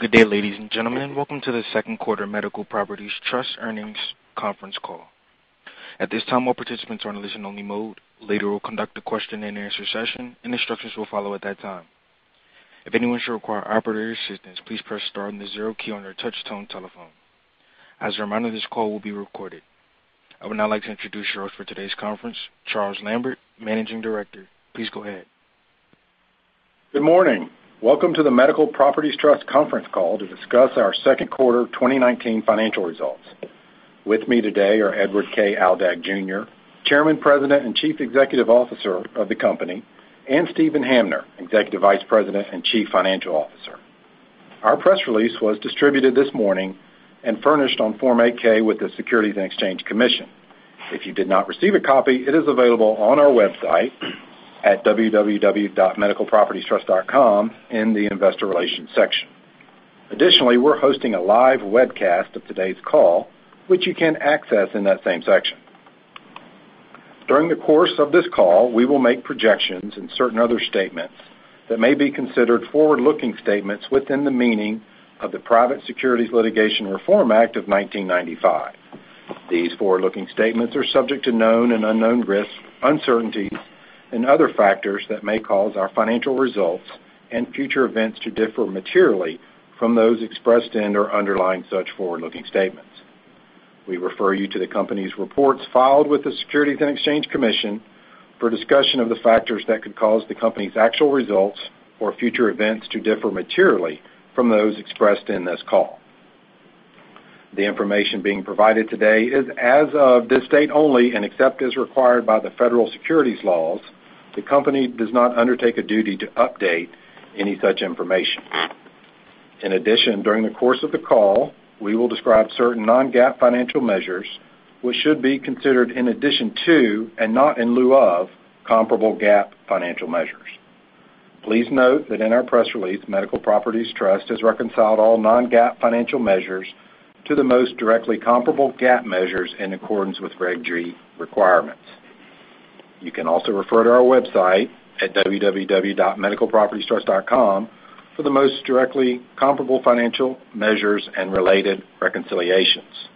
Good day, ladies and gentlemen. Welcome to the Second Quarter Medical Properties Trust Earnings Conference Call. At this time, all participants are in listen-only mode. Later, we'll conduct a question-and-answer session, and instructions will follow at that time. If anyone should require operator assistance, please press star and the zero key on your touchtone telephone. As a reminder, this call will be recorded. I would now like to introduce you all to today's conference, Charles Lambert, Managing Director. Please go ahead. Good morning. Welcome to the Medical Properties Trust conference call to discuss our second quarter 2019 financial results. With me today are Edward K. Aldag Jr., Chairman, President, and Chief Executive Officer of the company, and Steven Hamner, Executive Vice President and Chief Financial Officer. Our press release was distributed this morning and furnished on Form 8-K with the Securities and Exchange Commission. If you did not receive a copy, it is available on our website at www.medicalpropertiestrust.com in the investor relations section. Additionally, we're hosting a live webcast of today's call, which you can access in that same section. During the course of this call, we will make projections and certain other statements that may be considered forward-looking statements within the meaning of the Private Securities Litigation Reform Act of 1995. These forward-looking statements are subject to known and unknown risks, uncertainties, and other factors that may cause our financial results and future events to differ materially from those expressed in or underlying such forward-looking statements. We refer you to the company's reports filed with the Securities and Exchange Commission for discussion of the factors that could cause the company's actual results or future events to differ materially from those expressed in this call. The information being provided today is as of this date only, and except as required by the federal securities laws, the company does not undertake a duty to update any such information. In addition, during the course of the call, we will describe certain non-GAAP financial measures, which should be considered in addition to, and not in lieu of, comparable GAAP financial measures. Please note that in our press release, Medical Properties Trust has reconciled all non-GAAP financial measures to the most directly comparable GAAP measures in accordance with Reg G requirements. You can also refer to our website at www.medicalpropertiestrust.com for the most directly comparable financial measures and related reconciliations.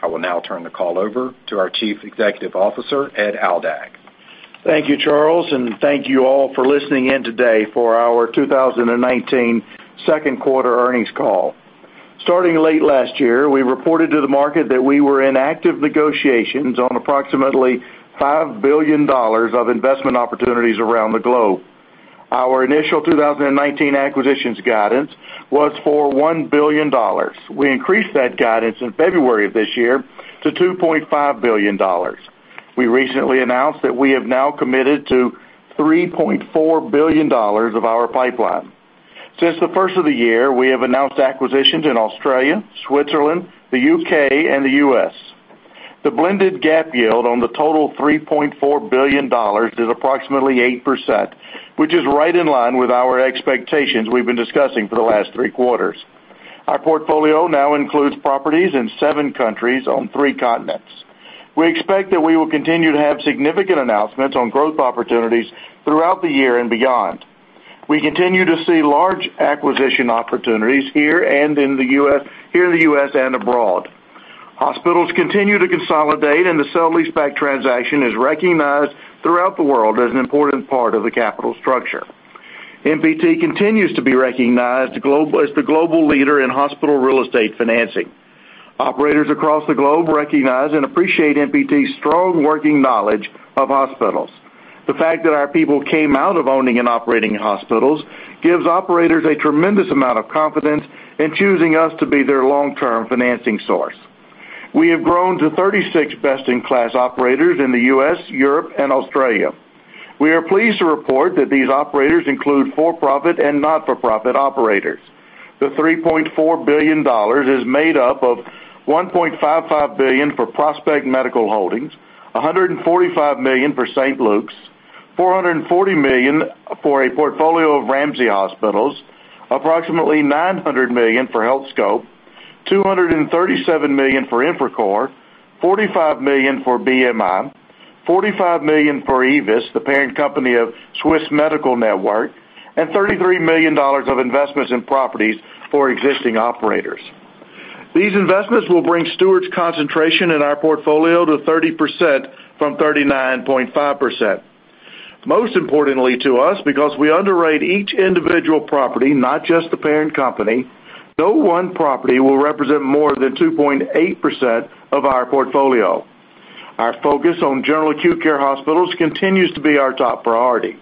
I will now turn the call over to our Chief Executive Officer, Ed Aldag. Thank you, Charles, and thank you all for listening in today for our 2019 second quarter earnings call. Starting late last year, we reported to the market that we were in active negotiations on approximately $5 billion of investment opportunities around the globe. Our initial 2019 acquisitions guidance was for $1 billion. We increased that guidance in February of this year to $2.5 billion. We recently announced that we have now committed to $3.4 billion of our pipeline. Since the first of the year, we have announced acquisitions in Australia, Switzerland, the U.K., and the U.S. The blended GAAP yield on the total $3.4 billion is approximately 8%, which is right in line with our expectations we've been discussing for the last three quarters. Our portfolio now includes properties in seven countries on three continents. We expect that we will continue to have significant announcements on growth opportunities throughout the year and beyond. We continue to see large acquisition opportunities here in the U.S. and abroad. Hospitals continue to consolidate, the sale-leaseback transaction is recognized throughout the world as an important part of the capital structure. MPT continues to be recognized as the global leader in hospital real estate financing. Operators across the globe recognize and appreciate MPT's strong working knowledge of hospitals. The fact that our people came out of owning and operating hospitals gives operators a tremendous amount of confidence in choosing us to be their long-term financing source. We have grown to 36 best-in-class operators in the U.S., Europe, and Australia. We are pleased to report that these operators include for-profit and not-for-profit operators. The $3.4 billion is made up of $1.55 billion for Prospect Medical Holdings, $145 million for Saint Luke's, $440 million for a portfolio of Ramsay Hospitals, approximately $900 million for Healthscope, $237 million for Infracore, $45 million for BMI, $45 million for AEVIS, the parent company of Swiss Medical Network, and $33 million of investments in properties for existing operators. These investments will bring Steward's concentration in our portfolio to 30% from 39.5%. Most importantly to us, because we underwrite each individual property, not just the parent company, no one property will represent more than 2.8% of our portfolio. Our focus on general acute care hospitals continues to be our top priority.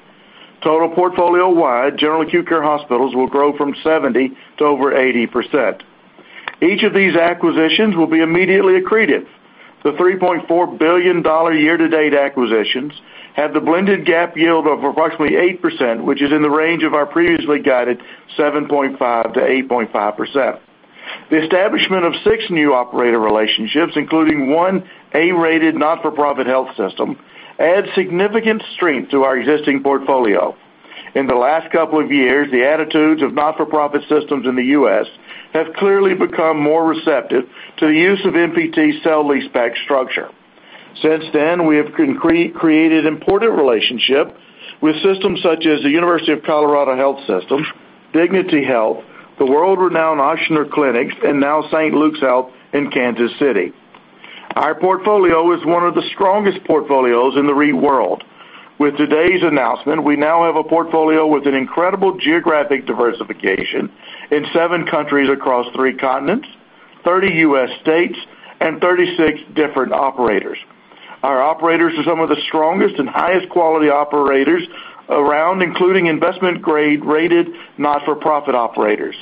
Total portfolio-wide, general acute care hospitals will grow from 70% to over 80%. Each of these acquisitions will be immediately accretive. The $3.4 billion year-to-date acquisitions have the blended GAAP yield of approximately 8%, which is in the range of our previously guided 7.5%-8.5%. The establishment of six new operator relationships, including one A-rated, not-for-profit health system, adds significant strength to our existing portfolio. In the last couple of years, the attitudes of not-for-profit systems in the U.S. have clearly become more receptive to the use of MPT's sale-leaseback structure. Since then, we have created important relationship with systems such as the University of Colorado Health System, Dignity Health, the world-renowned Ochsner Health, and now Saint Luke's Health System in Kansas City. Our portfolio is one of the strongest portfolios in the REIT world. With today's announcement, we now have a portfolio with an incredible geographic diversification in seven countries across three continents, 30 U.S. states, and 36 different operators. Our operators are some of the strongest and highest quality operators around, including investment grade rated, not-for-profit operators.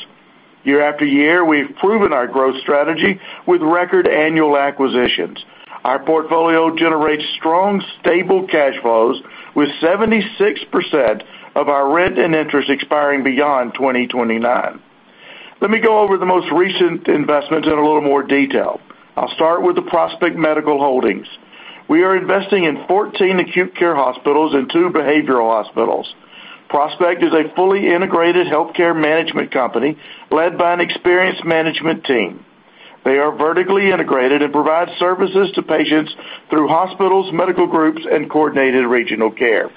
Year after year, we've proven our growth strategy with record annual acquisitions. Our portfolio generates strong, stable cash flows with 76% of our rent and interest expiring beyond 2029. Let me go over the most recent investments in a little more detail. I'll start with the Prospect Medical Holdings. We are investing in 14 acute care hospitals and two behavioral hospitals. Prospect is a fully integrated healthcare management company led by an experienced management team. They are vertically integrated and provide services to patients through hospitals, medical groups, and coordinated regional care.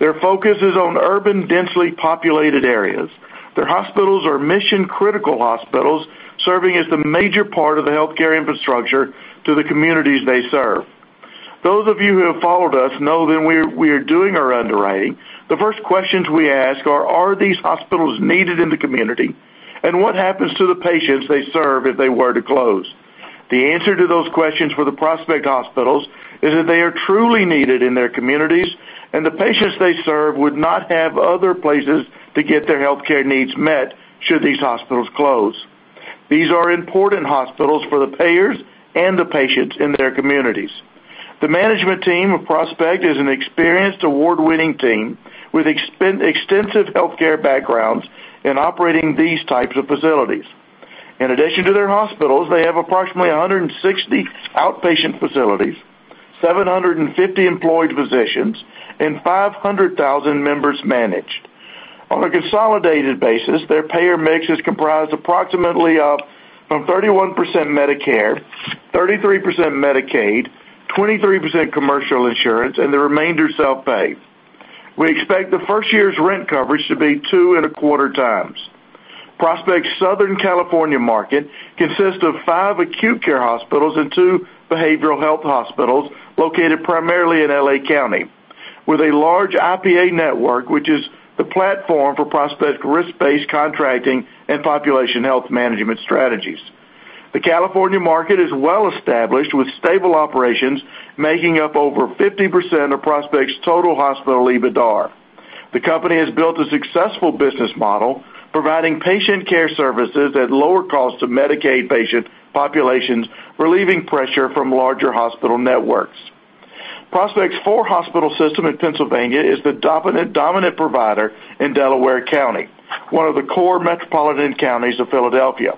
Their focus is on urban, densely populated areas. Their hospitals are mission-critical hospitals, serving as the major part of the healthcare infrastructure to the communities they serve. Those of you who have followed us know that when we are doing our underwriting, the first questions we ask are, "Are these hospitals needed in the community?" And, "What happens to the patients they serve if they were to close?" The answer to those questions for the Prospect hospitals is that they are truly needed in their communities, and the patients they serve would not have other places to get their healthcare needs met should these hospitals close. These are important hospitals for the payers and the patients in their communities. The management team of Prospect is an experienced, award-winning team with extensive healthcare backgrounds in operating these types of facilities. In addition to their hospitals, they have approximately 160 outpatient facilities, 750 employed physicians, and 500,000 members managed. On a consolidated basis, their payer mix is comprised approximately of from 31% Medicare, 33% Medicaid, 23% commercial insurance, and the remainder self-pay. We expect the first year's rent coverage to be 2.25x. Prospect's Southern California market consists of five acute care hospitals and two behavioral health hospitals located primarily in L.A. County, with a large IPA network, which is the platform for Prospect's risk-based contracting and population health management strategies. The California market is well-established with stable operations, making up over 50% of Prospect's total hospital EBITDAR. The company has built a successful business model providing patient care services at lower cost to Medicaid patient populations, relieving pressure from larger hospital networks. Prospect's four hospital system in Pennsylvania is the dominant provider in Delaware County, one of the core metropolitan counties of Philadelphia.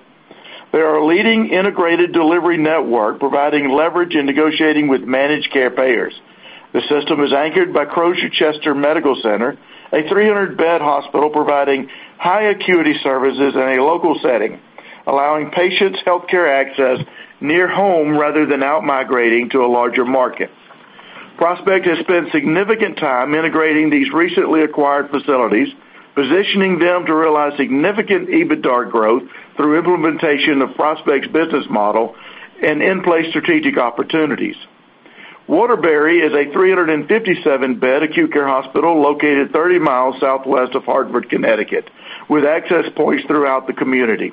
They are a leading integrated delivery network, providing leverage in negotiating with managed care payers. The system is anchored by Crozer-Chester Medical Center, a 300-bed hospital providing high acuity services in a local setting, allowing patients healthcare access near home rather than outmigrating to a larger market. Prospect has spent significant time integrating these recently acquired facilities, positioning them to realize significant EBITDAR growth through implementation of Prospect's business model and in-place strategic opportunities. Waterbury is a 357-bed acute care hospital located 30 mi southwest of Hartford, Connecticut, with access points throughout the community.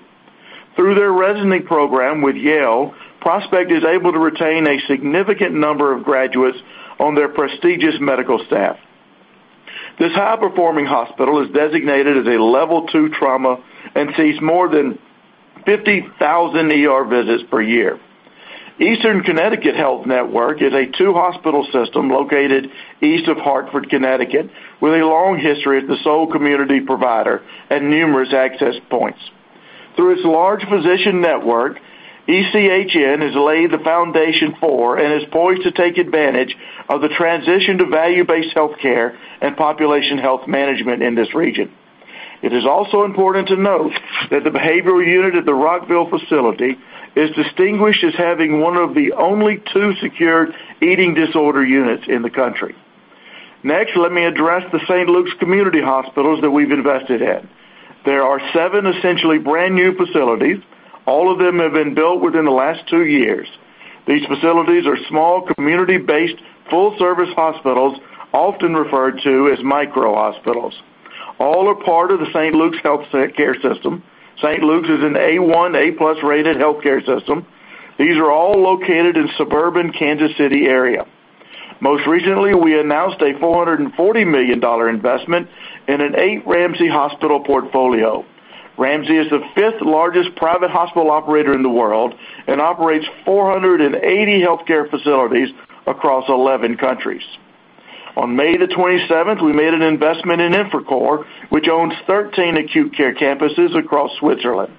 Through their resident program with Yale, Prospect is able to retain a significant number of graduates on their prestigious medical staff. This high-performing hospital is designated as a level 2 trauma and sees more than 50,000 ER visits per year. Eastern Connecticut Health Network is a two-hospital system located east of Hartford, Connecticut, with a long history as the sole community provider and numerous access points. Through its large physician network, ECHN has laid the foundation for and is poised to take advantage of the transition to value-based healthcare and population health management in this region. It is also important to note that the behavioral unit at the Rockville facility is distinguished as having one of the only two secured eating disorder units in the country. Next, let me address the St. Luke's community hospitals that we've invested in. There are seven essentially brand-new facilities. All of them have been built within the last two years. These facilities are small, community-based, full-service hospitals, often referred to as micro hospitals. All are part of the Saint Luke's Health System. St. Luke's is an A.1, A-plus rated healthcare system. These are all located in suburban Kansas City area. Most recently, we announced a $440 million investment in an eight Ramsay hospital portfolio. Ramsay is the fifth largest private hospital operator in the world and operates 480 healthcare facilities across 11 countries. On May 27th, we made an investment in Infracore, which owns 13 acute care campuses across Switzerland.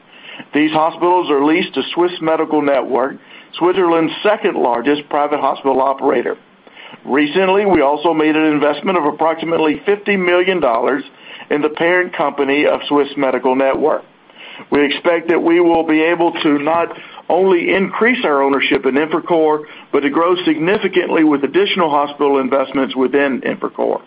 These hospitals are leased to Swiss Medical Network, Switzerland's second largest private hospital operator. Recently, we also made an investment of approximately $50 million in the parent company of Swiss Medical Network. We expect that we will be able to not only increase our ownership in Infracore, but to grow significantly with additional hospital investments within Infracore.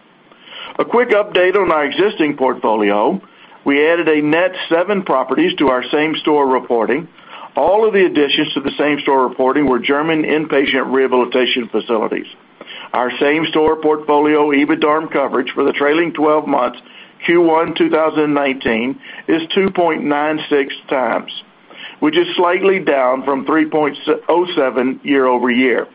A quick update on our existing portfolio. We added a net seven properties to our same-store reporting. All of the additions to the same-store reporting were German inpatient rehabilitation facilities. Our same-store portfolio, EBITDARM coverage for the trailing 12 months Q1 2019 is 2.96x, which is slightly down from 3.07x year-over-year.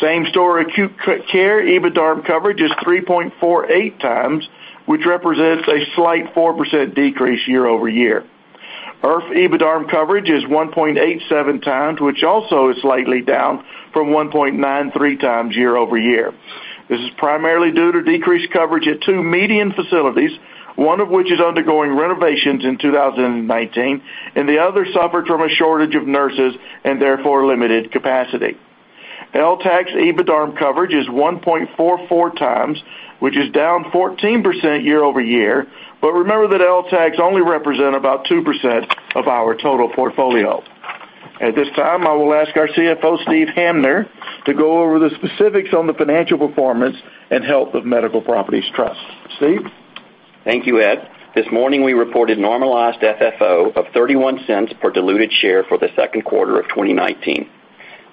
Same-store acute care EBITDARM coverage is 3.48x, which represents a slight 4% decrease year-over-year. IRF EBITDARM coverage is 1.87x, which also is slightly down from 1.93x year-over-year. This is primarily due to decreased coverage at two MEDIAN facilities, one of which is undergoing renovations in 2019 and the other suffered from a shortage of nurses and therefore limited capacity. LTACs EBITDARM coverage is 1.44x, which is down 14% year-over-year. Remember that LTACs only represent about 2% of our total portfolio. At this time, I will ask our CFO, Steve Hamner, to go over the specifics on the financial performance and health of Medical Properties Trust. Steve? Thank you, Ed. This morning, we reported normalized FFO of $0.31 per diluted share for the second quarter of 2019.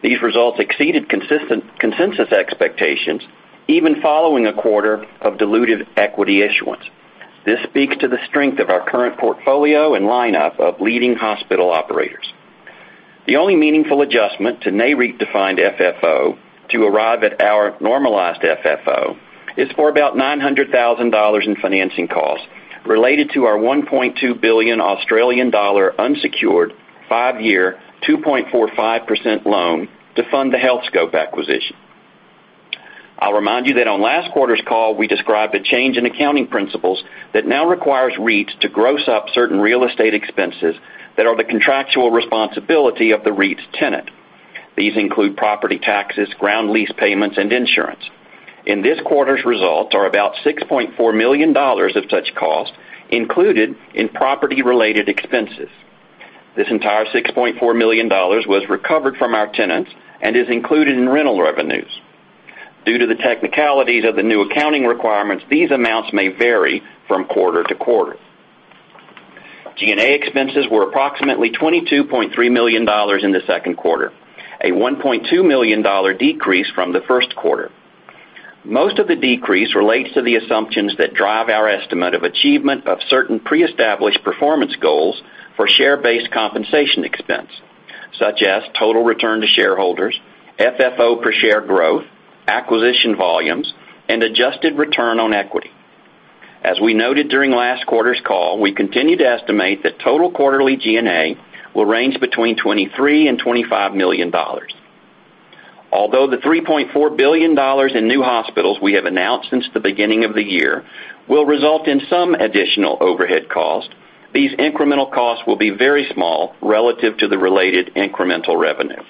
These results exceeded consensus expectations, even following a quarter of diluted equity issuance. This speaks to the strength of our current portfolio and lineup of leading hospital operators. The only meaningful adjustment to NAREIT-defined FFO to arrive at our normalized FFO is for about $900,000 in financing costs related to our 1.2 billion Australian dollar unsecured five-year 2.45% loan to fund the Healthscope acquisition. I'll remind you that on last quarter's call, we described a change in accounting principles that now requires REITs to gross up certain real estate expenses that are the contractual responsibility of the REIT's tenant. These include property taxes, ground lease payments, and insurance. In this quarter's results are about $6.4 million of such costs included in property-related expenses. This entire $6.4 million was recovered from our tenants and is included in rental revenues. Due to the technicalities of the new accounting requirements, these amounts may vary from quarter to quarter. G&A expenses were approximately $22.3 million in the second quarter, a $1.2 million decrease from the first quarter. Most of the decrease relates to the assumptions that drive our estimate of achievement of certain pre-established performance goals for share-based compensation expense, such as total return to shareholders, FFO per share growth, acquisition volumes, and adjusted return on equity. As we noted during last quarter's call, we continue to estimate that total quarterly G&A will range between $23 million and $25 million. Although the $3.4 billion in new hospitals we have announced since the beginning of the year will result in some additional overhead costs, these incremental costs will be very small relative to the related incremental revenue.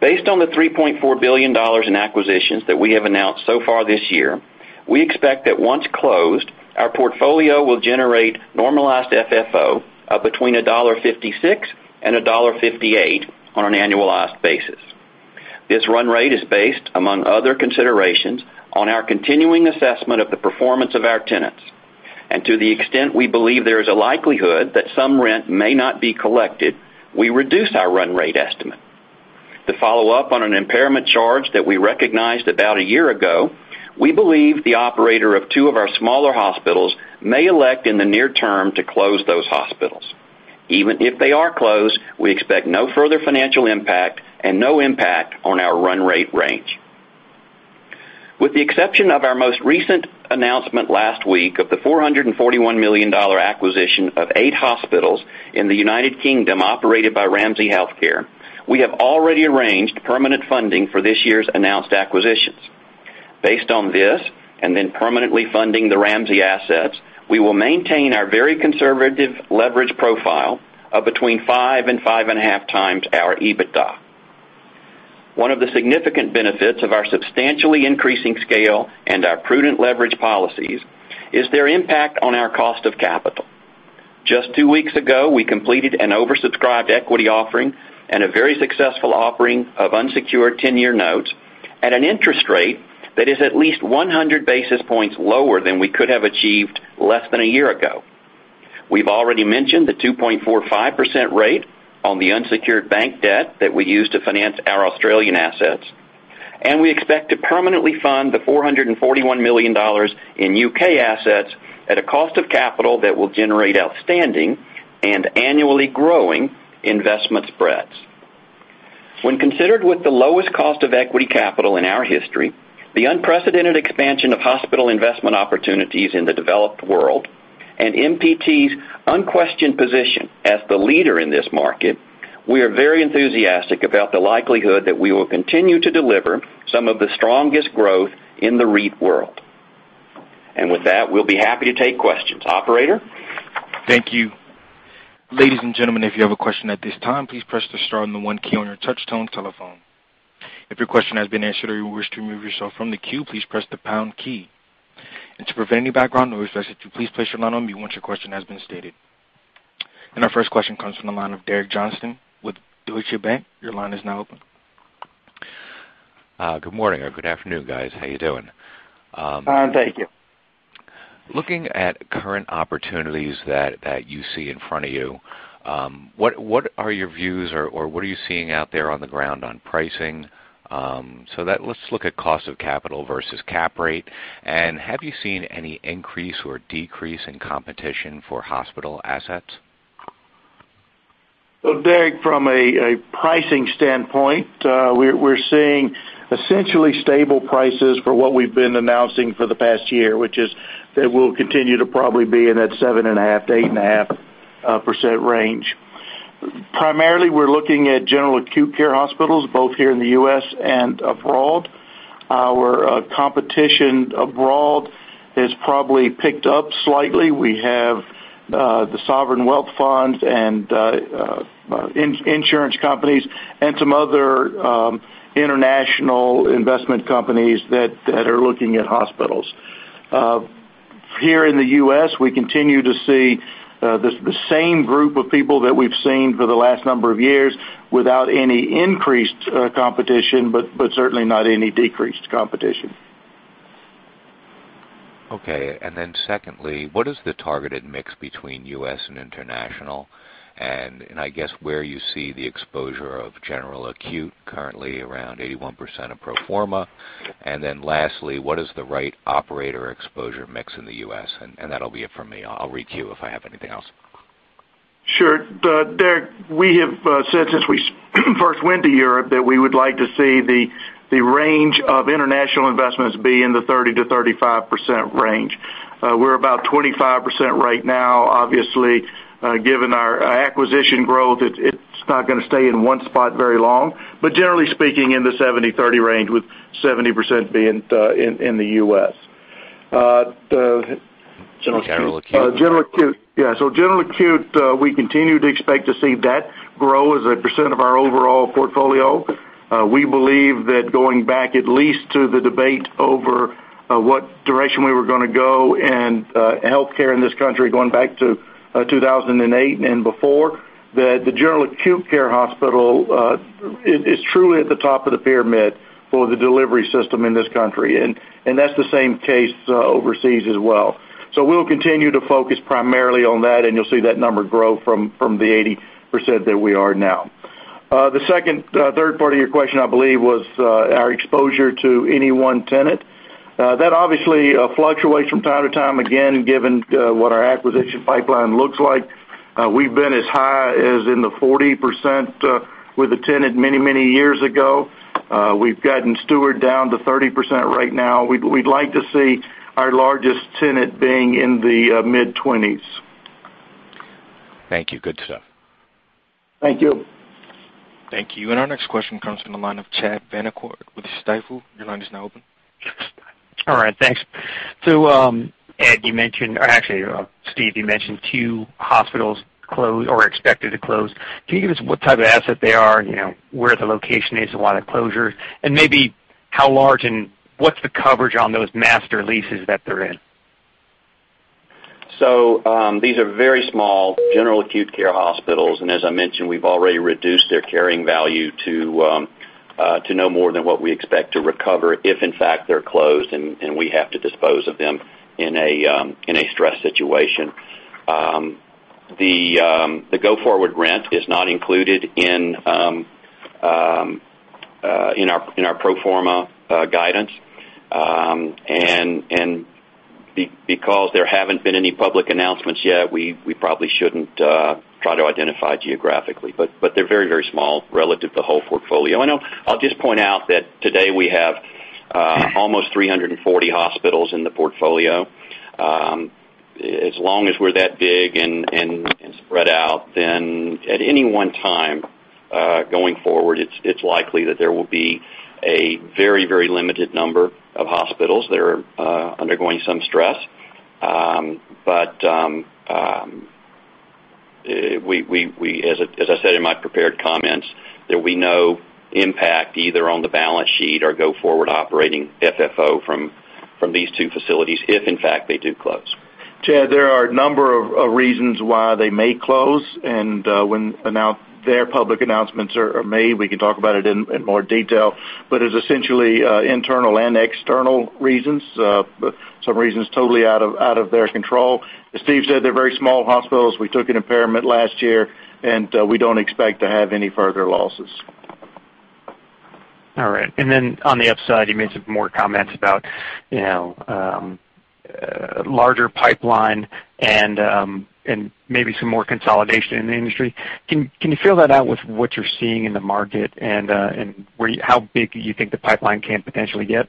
Based on the $3.4 billion in acquisitions that we have announced so far this year, we expect that once closed, our portfolio will generate normalized FFO of between $1.56 and $1.58 on an annualized basis. This run rate is based, among other considerations, on our continuing assessment of the performance of our tenants. To the extent we believe there is a likelihood that some rent may not be collected, we reduce our run rate estimate. To follow up on an impairment charge that we recognized about a year ago, we believe the operator of two of our smaller hospitals may elect in the near term to close those hospitals. Even if they are closed, we expect no further financial impact and no impact on our run rate range. With the exception of our most recent announcement last week of the $441 million acquisition of eight hospitals in the U.K. operated by Ramsay Health Care, we have already arranged permanent funding for this year's announced acquisitions. Based on this, and then permanently funding the Ramsay assets, we will maintain our very conservative leverage profile of between 5x and 5.5x our EBITDA. One of the significant benefits of our substantially increasing scale and our prudent leverage policies is their impact on our cost of capital. Just two weeks ago, we completed an oversubscribed equity offering and a very successful offering of unsecured 10-year notes at an interest rate that is at least 100 basis points lower than we could have achieved less than a year ago. We've already mentioned the 2.45% rate on the unsecured bank debt that we used to finance our Australian assets. We expect to permanently fund the $441 million in U.K. assets at a cost of capital that will generate outstanding and annually growing investment spreads. When considered with the lowest cost of equity capital in our history, the unprecedented expansion of hospital investment opportunities in the developed world, and MPT's unquestioned position as the leader in this market, we are very enthusiastic about the likelihood that we will continue to deliver some of the strongest growth in the REIT world. With that, we'll be happy to take questions. Operator? Thank you. Ladies and gentlemen, if you have a question at this time, please press the star and the one key on your touch-tone telephone. If your question has been answered or you wish to remove yourself from the queue, please press the pound key. To prevent any background noise, I ask that you please place your line on mute once your question has been stated. Our first question comes from the line of Derek Johnston with Deutsche Bank. Your line is now open. Good morning or good afternoon, guys. How you doing? Fine, thank you. Looking at current opportunities that you see in front of you, what are your views or what are you seeing out there on the ground on pricing? Let's look at cost of capital versus cap rate. Have you seen any increase or decrease in competition for hospital assets? Well, Derek, from a pricing standpoint, we're seeing essentially stable prices for what we've been announcing for the past year, which is that we'll continue to probably be in that 7.5%-8.5% range. Primarily, we're looking at general acute care hospitals, both here in the U.S. and abroad, where competition abroad has probably picked up slightly. We have the sovereign wealth funds and insurance companies and some other international investment companies that are looking at hospitals. Here in the U.S., we continue to see the same group of people that we've seen for the last number of years without any increased competition, but certainly not any decreased competition. Okay. Secondly, what is the targeted mix between U.S. and international? I guess where you see the exposure of general acute currently around 81% of pro forma. Lastly, what is the right operator exposure mix in the U.S.? That'll be it for me. I'll requeue if I have anything else. Sure. Derek, we have said since we first went to Europe that we would like to see the range of international investments be in the 30%-35% range. We're about 25% right now. Obviously, given our acquisition growth, it's not going to stay in one spot very long. Generally speaking, in the 70/30 range, with 70% being in the U.S. General acute. General acute. Yeah. General acute, we continue to expect to see that grow as a percent of our overall portfolio. We believe that going back at least to the debate over what direction we were going to go and healthcare in this country going back to 2008 and before, that the general acute care hospital is truly at the top of the pyramid for the delivery system in this country, and that's the same case overseas as well. We will continue to focus primarily on that, and you'll see that number grow from the 80% that we are now. The third part of your question, I believe, was our exposure to any one tenant. That obviously fluctuates from time to time, again, given what our acquisition pipeline looks like. We've been as high as in the 40% with a tenant many years ago. We've gotten Steward down to 30% right now. We'd like to see our largest tenant being in the mid-20s. Thank you. Good stuff. Thank you. Thank you. Our next question comes from the line of Chad Vanacore with Stifel. Your line is now open. All right. Thanks. Ed, you mentioned, or actually Steve, you mentioned two hospitals are expected to close. Can you give us what type of asset they are, where the location is, and why the closures, and maybe how large and what's the coverage on those master leases that they're in? These are very small general acute care hospitals. As I mentioned, we've already reduced their carrying value to no more than what we expect to recover if in fact they're closed and we have to dispose of them in a stress situation. The go-forward rent is not included in our pro forma guidance. Because there haven't been any public announcements yet, we probably shouldn't try to identify geographically, but they're very small relative to the whole portfolio. I'll just point out that today we have almost 340 hospitals in the portfolio. As long as we're that big and spread out, then at any one time going forward, it's likely that there will be a very limited number of hospitals that are undergoing some stress. As I said in my prepared comments, there will be no impact either on the balance sheet or go-forward operating FFO from these two facilities if in fact they do close. Chad, there are a number of reasons why they may close, and when their public announcements are made, we can talk about it in more detail, but it's essentially internal and external reasons, some reasons totally out of their control. As Steve said, they're very small hospitals. We took an impairment last year, and we don't expect to have any further losses. All right. On the upside, you made some more comments about larger pipeline and maybe some more consolidation in the industry. Can you fill that out with what you're seeing in the market and how big you think the pipeline can potentially get?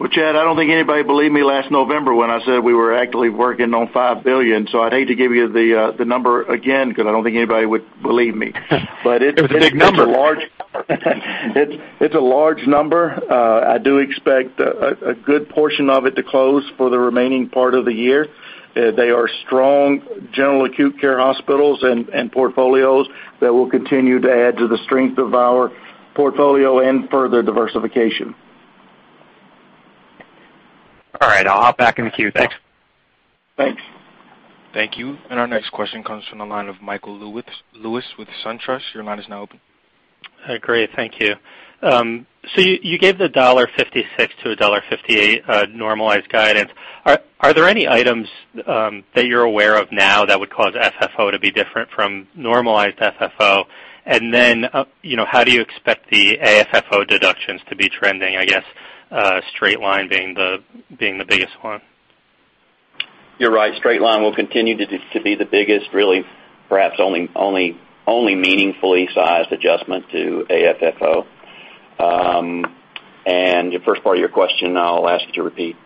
Well, Chad, I don't think anybody believed me last November when I said we were actively working on $5 billion, so I'd hate to give you the number again because I don't think anybody would believe me. It's a big number. It's a large number. I do expect a good portion of it to close for the remaining part of the year. They are strong general acute care hospitals and portfolios that will continue to add to the strength of our portfolio and further diversification. All right. I'll hop back in the queue. Thanks. Thanks. Thank you. Our next question comes from the line of Michael Lewis with SunTrust. Your line is now open. Great. Thank you. You gave the $1.56-$1.58 normalized guidance. Are there any items that you're aware of now that would cause FFO to be different from normalized FFO? How do you expect the AFFO deductions to be trending, I guess, Straight-line being the biggest one? You're right. Straight-line will continue to be the biggest, really, perhaps only meaningfully sized adjustment to AFFO. The first part of your question, I'll ask you to repeat.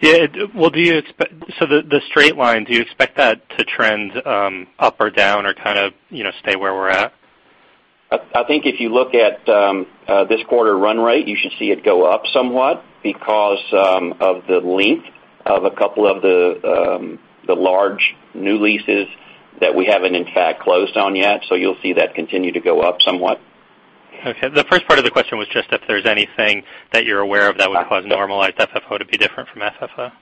Yeah. The Straight-line, do you expect that to trend up or down or kind of stay where we're at? I think if you look at this quarter run rate, you should see it go up somewhat because of the length of a couple of the large new leases that we haven't in fact closed on yet. You'll see that continue to go up somewhat. Okay. The first part of the question was just if there's anything that you're aware of that would cause normalized FFO to be different from FFO.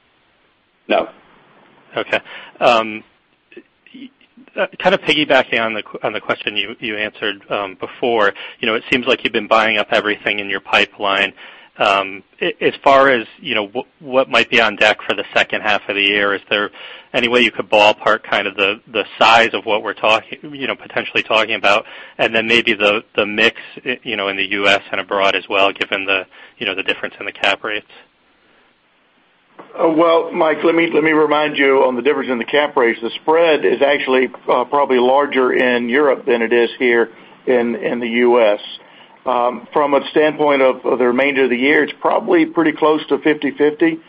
No. Okay. Kind of piggybacking on the question you answered before, it seems like you've been buying up everything in your pipeline. As far as what might be on deck for the second half of the year, is there any way you could ballpark kind of the size of what we're potentially talking about, and then maybe the mix in the U.S. and abroad as well, given the difference in the cap rates? Well, Mike, let me remind you on the difference in the cap rates. The spread is actually probably larger in Europe than it is here in the U.S. From a standpoint of the remainder of the year, it's probably pretty close to 50/50 in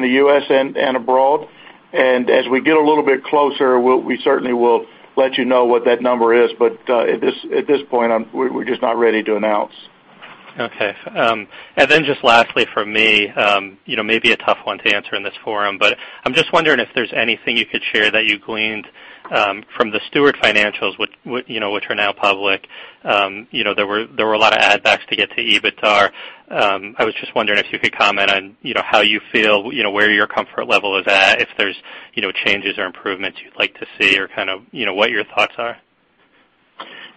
the U.S. and abroad. As we get a little bit closer, we certainly will let you know what that number is. At this point, we're just not ready to announce. Okay. Lastly from me, maybe a tough one to answer in this forum, but I'm just wondering if there's anything you could share that you gleaned from the Steward financials, which are now public. There were a lot of add-backs to get to EBITAR. I was just wondering if you could comment on how you feel, where your comfort level is at, if there's changes or improvements you'd like to see or kind of what your thoughts are.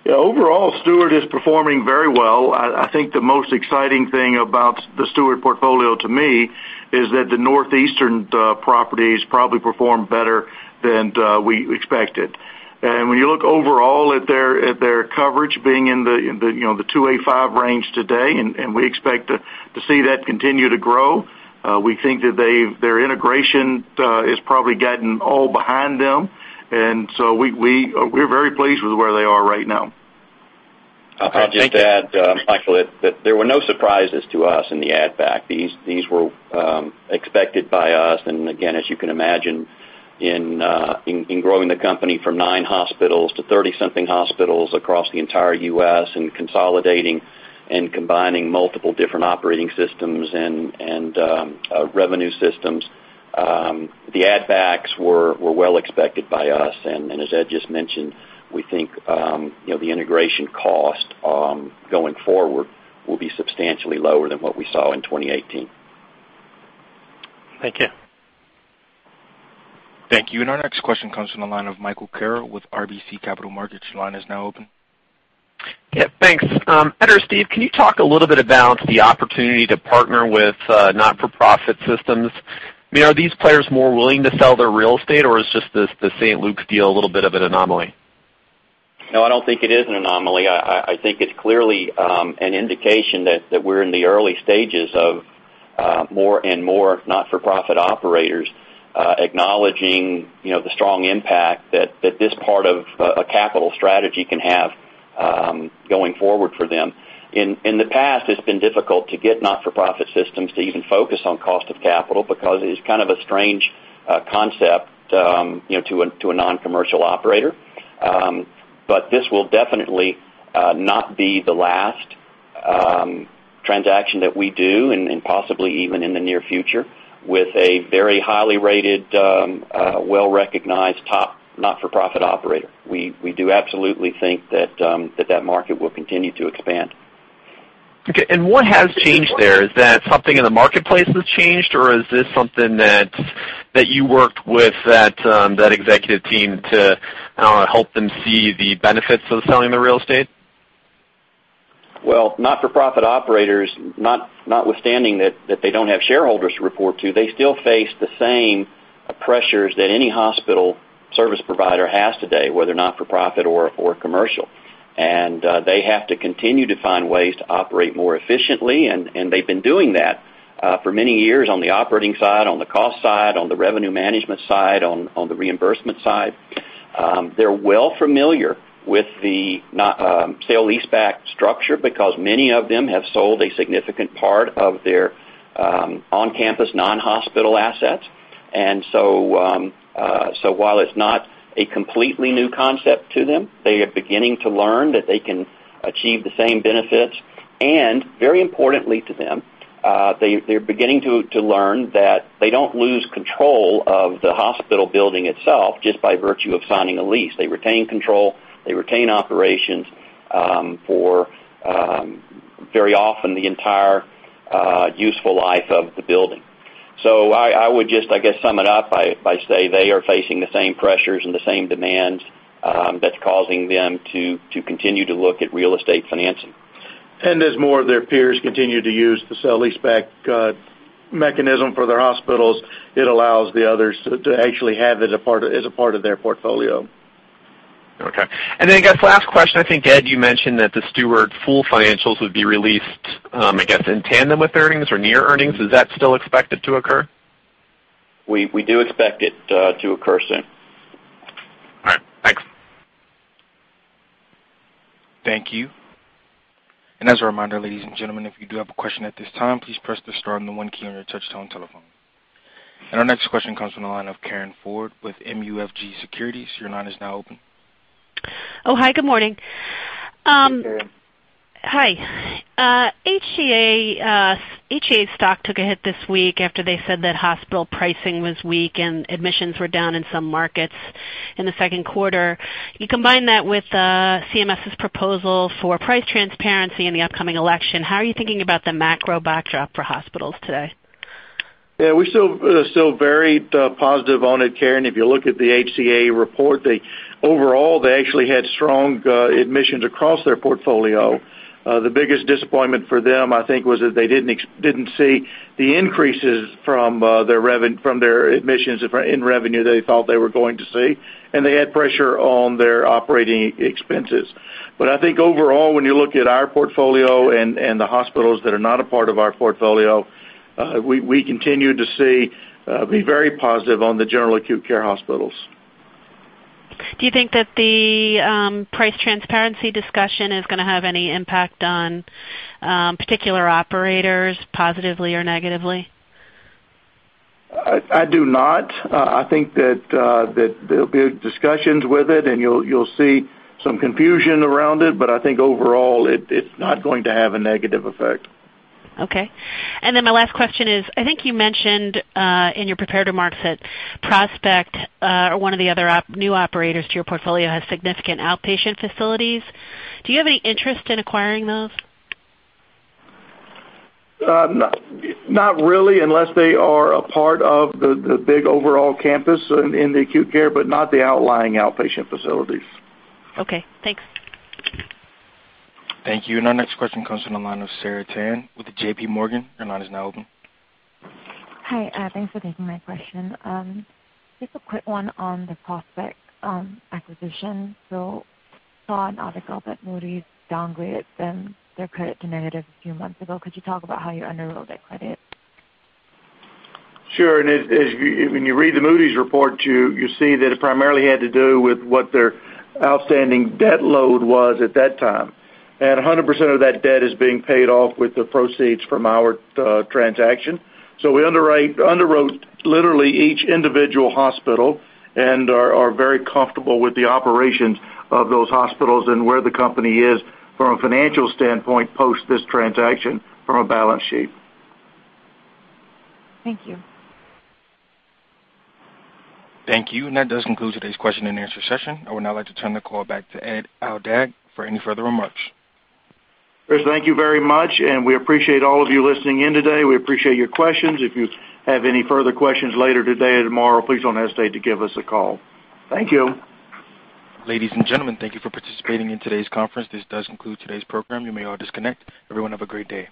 Yeah. Overall, Steward is performing very well. I think the most exciting thing about the Steward portfolio to me is that the northeastern properties probably perform better than we expected. When you look overall at their coverage being in the 2.85 range today, and we expect to see that continue to grow. We think that their integration has probably gotten all behind them, and so we're very pleased with where they are right now. I'll just add, Michael, that there were no surprises to us in the add-back. These were expected by us, and again, as you can imagine, in growing the company from nine hospitals to 30-something hospitals across the entire U.S. and consolidating and combining multiple different operating systems and revenue systems, the add-backs were well expected by us. As Ed just mentioned, we think the integration cost going forward will be substantially lower than what we saw in 2018. Thank you. Thank you. Our next question comes from the line of Michael Carroll with RBC Capital Markets. Your line is now open. Yeah, thanks. Ed or Steve, can you talk a little bit about the opportunity to partner with not-for-profit systems? Are these players more willing to sell their real estate, or is just the St. Luke's deal a little bit of an anomaly? No, I don't think it is an anomaly. I think it's clearly an indication that we're in the early stages of more and more not-for-profit operators acknowledging the strong impact that this part of a capital strategy can have going forward for them. In the past, it's been difficult to get not-for-profit systems to even focus on cost of capital because it is kind of a strange concept to a non-commercial operator. This will definitely not be the last transaction that we do, and possibly even in the near future, with a very highly rated, well-recognized, top not-for-profit operator. We do absolutely think that that market will continue to expand. Okay. What has changed there? Is that something in the marketplace has changed, or is this something that you worked with that executive team to help them see the benefits of selling the real estate? Well, not-for-profit operators, notwithstanding that they don't have shareholders to report to, they still face the same pressures that any hospital service provider has today, whether not-for-profit or commercial. They have to continue to find ways to operate more efficiently, and they've been doing that for many years on the operating side, on the cost side, on the revenue management side, on the reimbursement side. They're well familiar with the sale-leaseback structure because many of them have sold a significant part of their on-campus, non-hospital assets. While it's not a completely new concept to them, they are beginning to learn that they can achieve the same benefits. Very importantly to them, they're beginning to learn that they don't lose control of the hospital building itself just by virtue of signing a lease. They retain control, they retain operations for very often the entire useful life of the building. I would just, I guess, sum it up by saying they are facing the same pressures and the same demands that are causing them to continue to look at real estate financing. As more of their peers continue to use the sale-leaseback mechanism for their hospitals, it allows the others to actually have it as a part of their portfolio. Okay. I guess last question, I think, Ed, you mentioned that the Steward full financials would be released, I guess, in tandem with earnings or near earnings. Is that still expected to occur? We do expect it to occur soon. All right. Thanks. Thank you. As a reminder, ladies and gentlemen, if you do have a question at this time, please press the star and the one key on your touch-tone telephone. Our next question comes from the line of Karin Ford with MUFG Securities. Your line is now open. Oh, hi. Good morning. Hi, Karin. Hi. HCA's stock took a hit this week after they said that hospital pricing was weak and admissions were down in some markets in the second quarter. You combine that with CMS's proposal for price transparency in the upcoming election, how are you thinking about the macro backdrop for hospitals today? Yeah, we're still very positive on it, Karin. If you look at the HCA report, overall, they actually had strong admissions across their portfolio. The biggest disappointment for them, I think, was that they didn't see the increases from their admissions in revenue they thought they were going to see, and they had pressure on their operating expenses. I think overall, when you look at our portfolio and the hospitals that are not a part of our portfolio, we continue to be very positive on the general acute care hospitals. Do you think that the price transparency discussion is going to have any impact on particular operators, positively or negatively? I do not. I think that there'll be discussions with it, and you'll see some confusion around it, but I think overall it's not going to have a negative effect. Okay. My last question is, I think you mentioned in your prepared remarks that Prospect or one of the other new operators to your portfolio has significant outpatient facilities. Do you have any interest in acquiring those? Not really, unless they are a part of the big overall campus in the acute care, but not the outlying outpatient facilities. Okay. Thanks. Thank you. Our next question comes from the line of Sarah Tan with JPMorgan. Your line is now open. Hi. Thanks for taking my question. Just a quick one on the Prospect acquisition. I saw an article that Moody's downgraded their credit to negative a few months ago. Could you talk about how you underwrote that credit? Sure. When you read the Moody's report, you see that it primarily had to do with what their outstanding debt load was at that time. 100% of that debt is being paid off with the proceeds from our transaction. We underwrote literally each individual hospital and are very comfortable with the operations of those hospitals and where the company is from a financial standpoint post this transaction from a balance sheet. Thank you. Thank you. That does conclude today's question and answer session. I would now like to turn the call back to Ed Aldag for any further remarks. Chris, thank you very much. We appreciate all of you listening in today. We appreciate your questions. If you have any further questions later today or tomorrow, please don't hesitate to give us a call. Thank you. Ladies and gentlemen, thank you for participating in today's conference. This does conclude today's program. You may all disconnect. Everyone have a great day.